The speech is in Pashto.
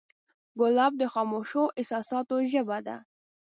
ګلاب د خاموشو احساساتو ژبه ده.